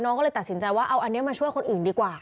ก็เลยตัดสินใจว่าเอาอันนี้มาช่วยคนอื่นดีกว่า